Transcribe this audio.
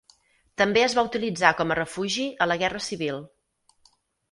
També es va utilitzar com a refugi a la Guerra Civil.